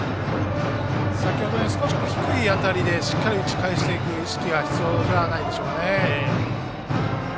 先程よりも少し低い当たりでしっかり打ち返していく意識が必要じゃないでしょうかね。